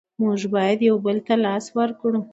موږ باید یو بل ته لاس ورکړو.